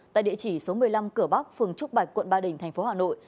tại địa chỉ số một mươi năm cửa bắc phường trúc bạch quận ba đình thành phố hà nội